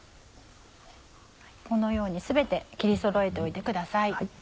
このように全て切りそろえておいてください。